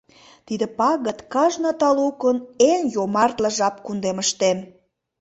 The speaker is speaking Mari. Тиде пагыт кажне талукын Эн йомартле жап кундемыштем.